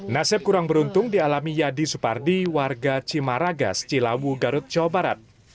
nasib kurang beruntung dialami yadi supardi warga cimaragas cilawu garut jawa barat